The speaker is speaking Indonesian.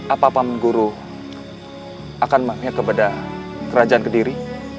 apa apa mengguru akan memihak kepada kerajaan ke diri